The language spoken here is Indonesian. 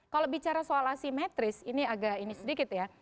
kalau bicara soal asimetris ini agak ini sedikit ya